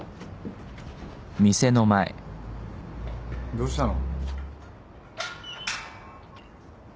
どうしたの？